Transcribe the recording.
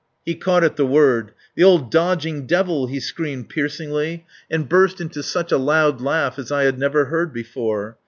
He caught at the word. "The old dodging Devil," he screamed piercingly and burst into such a loud laugh as I had never heard before.